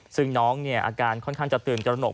ซึ่งน้องอาการค่อนข้างจะตื่นตระหนก